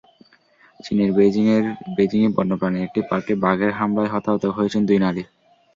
চীনের বেইজিংয়ে বন্য প্রাণীর একটি পার্কে বাঘের হামলায় হতাহত হয়েছেন দুই নারী।